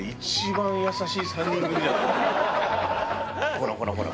ほらほらほら